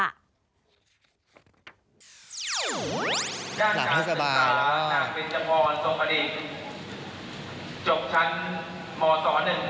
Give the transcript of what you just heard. หลับให้สบายแล้ว